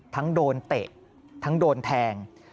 ทั้งโดนเตะทั้งโดนแทง